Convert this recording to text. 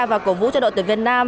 và cổ vũ cho đội tuyển việt nam